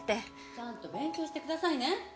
ちゃんと勉強してくださいね！